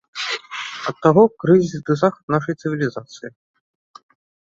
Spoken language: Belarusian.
Ад таго крызіс ды захад нашай цывілізацыі.